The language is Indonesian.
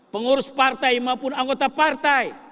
pengurus partai maupun anggota partai